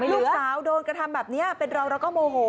ลูกสาวโดนกระทำแบบนี้เป็นเราเราก็โมโห